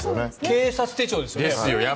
警察手帳ですよね。